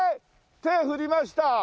手振りました。